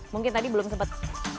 mungkin tadi belum sempat